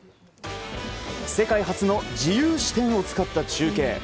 世界初の自由視点を使った中継。